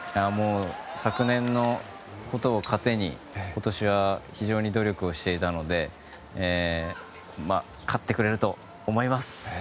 昨年のことを糧に今年は非常に努力をしていたので勝ってくれると思います。